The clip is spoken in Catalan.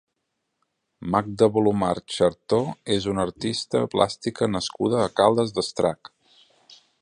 Magda Bolumar Chertó és una artista plàstica nascuda a Caldes d'Estrac.